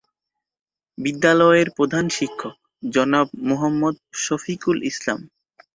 বিদ্যালয়ের প্রধান শিক্ষক জনাব মোহাম্মদ শফিকুল ইসলাম।